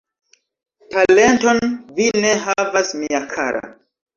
Talenton vi ne havas, mia kara!